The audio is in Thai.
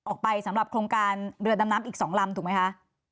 สำหรับโครงการเรือดำน้ำอีก๒ลำถูกไหมคะ